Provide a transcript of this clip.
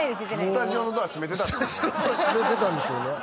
スタジオのドア閉めてたんでしょうね